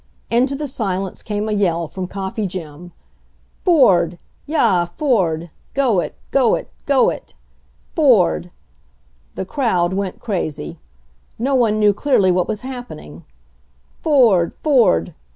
Into the silence came a yell from Coffee Jim : "Ford! Yah, Fonl! Go it, go it, go it ! Fold!" The crowd went crazy. No one knew clearly what was happening, "Ford! Ford!